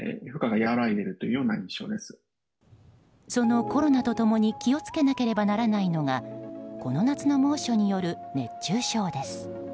そのコロナとともに気を付けなければならないのがこの夏の猛暑による熱中症です。